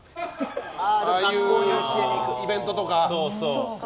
ああいうイベントとか。